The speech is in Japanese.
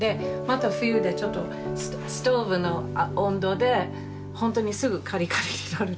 また冬でちょっとストーブの温度でほんとにすぐカリカリになるのね。